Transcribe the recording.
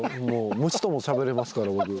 虫ともしゃべれますから僕。